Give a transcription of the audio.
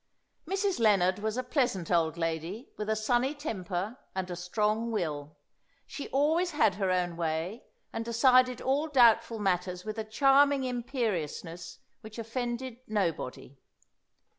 Mrs. Lennard was a pleasant old lady, with a sunny temper and a strong will. She always had her own way, and decided all doubtful matters with a charming imperiousness which offended nobody.